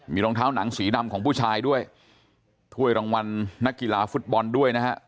มีรองเท้าหนังสีดำของผู้ชายด้วยถ้วยรางวัลนักกีฬาฟุตบอลด้วยนะฮะ